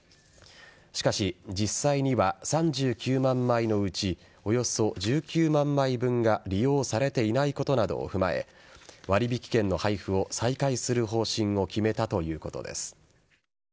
しかし、実際には３９万枚のうちおよそ１９万枚分が利用されていないことなどを踏まえ割引券の配布を再開する方針を決めたということです。